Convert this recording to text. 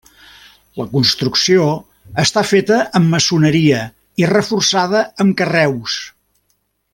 La construcció està feta amb maçoneria i reforçada amb carreus.